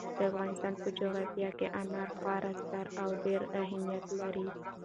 د افغانستان په جغرافیه کې انار خورا ستر او ډېر اهمیت لري.